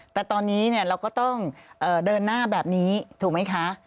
แต่ตอนนี้เราก็ต้องเดินหน้าแบบนี้ถูกไหมคะ